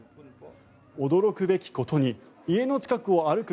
驚くべきことに家の近くを歩く